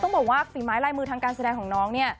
บอกว่าฝีไม้ลายมือทางการแสดงของน้องเนี่ย